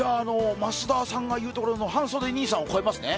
増田さんが言うところの半袖兄さんを超えますね。